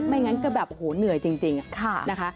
ไม่งั้นก็แบบเหนื่อยจริงนะคะ